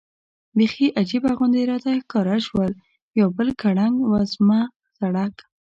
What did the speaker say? بېخي عجیبه غوندې راته ښکاره شول، یو بل ګړنګ وزمه سړک.